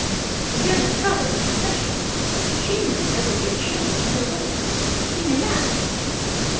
If you had discovered the confession, she knew that there would be a change in your voice, in your manner.